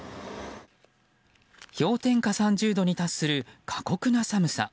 氷点下３０度に達する過酷な寒さ。